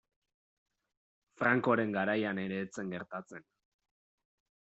Francoren garaian ere ez zen gertatzen.